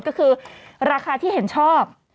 ก็คือราคาที่เห็นชอบ